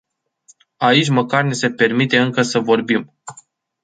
Aici măcar ni se permite încă să vorbim.